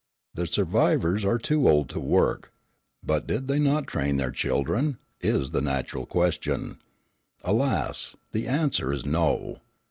The survivors are too old to work. "But did they not train their children?" is the natural question. Alas! the answer is "no."